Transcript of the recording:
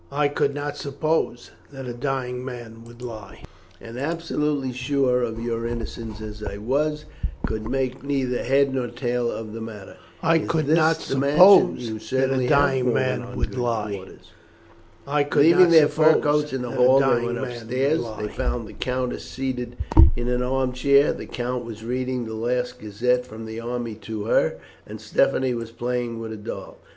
I could not suppose that a dying man would lie, and, absolutely sure of your innocence as I was, could make neither head nor tail of the matter. Is this the mansion? You certainly have fallen on good quarters." Leaving their fur coats in the hall they went upstairs. They found the countess seated in an arm chair. The count was reading the last gazette from the army to her, and Stephanie was playing with a doll.